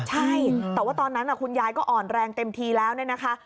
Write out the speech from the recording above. ใช่แต่ว่าตอนนั้นคุณยายก็อ่อนแรงเต็มทีแล้วเนี่ยนะคะ